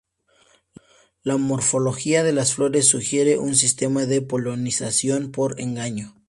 La morfología de las flores sugiere un sistema de polinización por engaño.